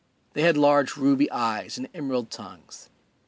They had large ruby eyes and emerald tongues.